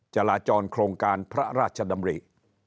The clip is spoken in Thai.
จราจรโครงการพระราชดำริ